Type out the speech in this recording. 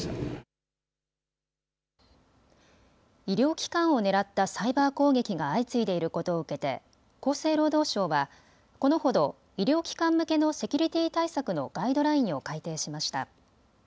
医療機関を狙ったサイバー攻撃が相次いでいることを受けて厚生労働省はこのほど医療機関向けのセキュリティー対策のガイドラインを改定しました。